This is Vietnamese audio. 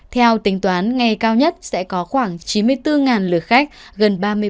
theo tính toán ngày cao nhất sẽ có khoảng chín mươi bốn lượt khách